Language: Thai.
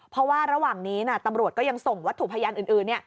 เพราะว่าระหว่างนี้ตำรวจก็ยังส่งวัตถุพยานอื่น